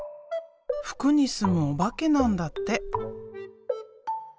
服に住むおばけなんだって。